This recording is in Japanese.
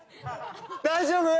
大丈夫？